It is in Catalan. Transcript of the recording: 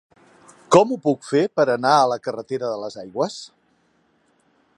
Com ho puc fer per anar a la carretera de les Aigües?